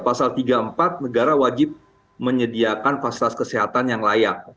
pasal tiga puluh empat negara wajib menyediakan fasilitas kesehatan yang layak